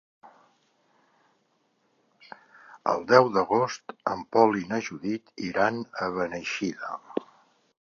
El deu d'agost en Pol i na Judit iran a Beneixida.